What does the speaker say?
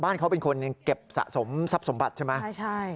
บ้านเขาเป็นคนเก็บสะสมสับสมบัติใช่ไหม